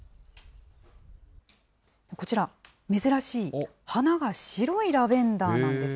こちら、珍しい花が白いラベンダーなんです。